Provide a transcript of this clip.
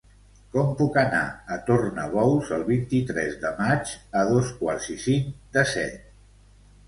Com puc anar a Tornabous el vint-i-tres de maig a dos quarts i cinc de set?